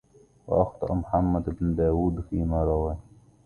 وأخطأ محمد بن داود فيما رواه